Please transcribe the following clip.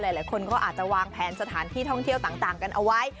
หลายคนก็อาจจะวางแผนสถานที่ท่องเที่ยวต่างกันเอาไว้